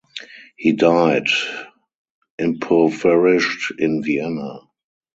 He died impoverished in Vienna.